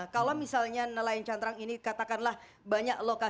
kalau misalnya nelayan cantrang ini katakanlah banyak lokasi